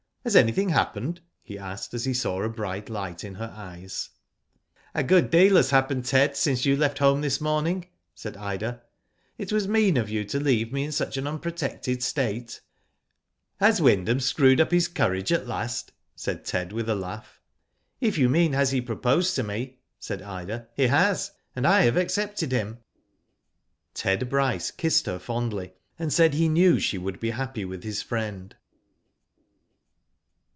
Has any thing happened ?'* he asked, as he saw a bright lio^ht in her eves. Digitized byGoogk MUNDA ONCE MORE. 291 " A good deal has happened, Ted, since you left home this morning,*' said Ida. '* It was mean of you to leave me in such an unprotected state." '*Has Wyndham screwed up his courage at last?'* said Ted with a laugh. "If you mean has he proposed to me," said Ida, 'Mie has, and I have accepted him." Ted Bryce kissed her fondly, and said he knew she would be happy with his friend.